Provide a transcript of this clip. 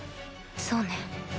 そうね。